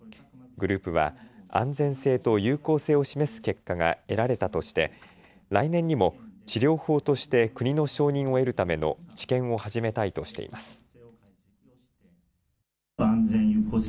グループは安全性と有効性を示す結果が得られたとして来年にも治療法として国の承認を得るための治験を始めたいとしています。